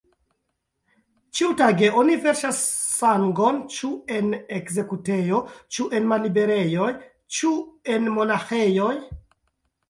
Ĉiutage oni verŝas sangon ĉu en ekzekutejo, ĉu en malliberejoj, ĉu en monaĥejoj.